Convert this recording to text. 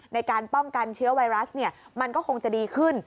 ในการป้องกันเชื้อไวรัสมันก็คงจะดีขึ้น